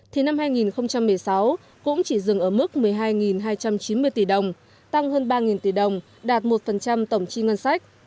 thì năm hai nghìn một mươi sáu cũng chỉ dừng ở mức một mươi hai hai trăm chín mươi tỷ đồng tăng hơn ba tỷ đồng đạt một tổng chi ngân sách